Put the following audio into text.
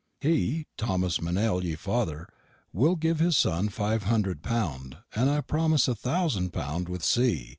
He, Tomas Meynell ye father, will give his son five hundred pound, and I prommis a thousand pound with C.